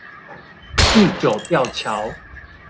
地久吊橋